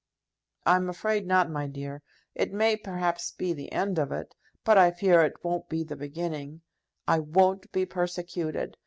"I'm afraid not, my dear. It may perhaps be the end of it, but I fear it won't be the beginning. I won't be persecuted.